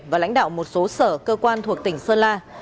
và lãnh đạo một số sở cơ quan thuộc tỉnh sơn la